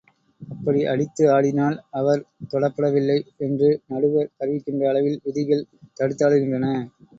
அப்படி அடித்து ஆடினால், அவர் தொடப்படவில்லை என்று நடுவர் அறிவிக்கின்ற அளவில் விதிகள் தடுத்தாளுகின்றன.